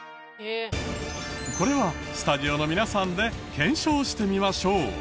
これはスタジオの皆さんで検証してみましょう。